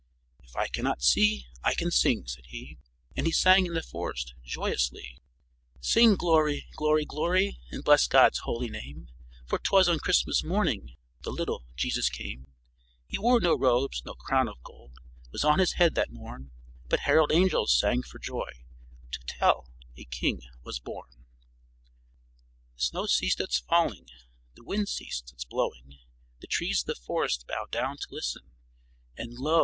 "If I cannot see I can sing," said he, and he sang in the forest joyously: "Sing glory, glory, glory! And bless God's holy name; For 'twas on Christmas morning, The little Jesus came. "He wore no robes; no crown of gold Was on His head that morn; But herald angels sang for joy, To tell a King was born." [Illustration: THE HARPER WAS HAPPIER THAN A KING AS HE SAT BY HIS OWN FIRESIDE.] The snow ceased its falling, the wind ceased its blowing, the trees of the forest bowed down to listen, and, lo!